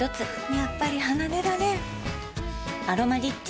やっぱり離れられん「アロマリッチ」